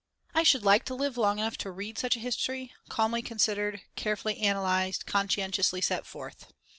I should like to live long enough to read such a history, calmly considered, carefully analysed, conscientiously set forth.